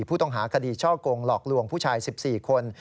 ผู้ต้องหาคดีช่อกงหลอกลวงผู้ชาย๑๔คน